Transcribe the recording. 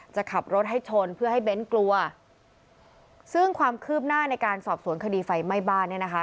จะขับรถให้ชนเพื่อให้เบ้นกลัวซึ่งความคืบหน้าในการสอบสวนคดีไฟไหม้บ้านเนี่ยนะคะ